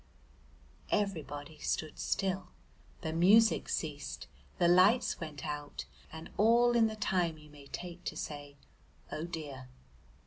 Everybody stood still, the music ceased, the lights went out, and all in the time you may take to say "Oh dear!"